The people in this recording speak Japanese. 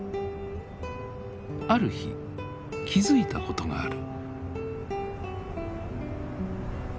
ある日気付いたことがある。